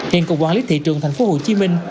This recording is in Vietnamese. hiện cục quản lý thị trường thành phố hồ chí minh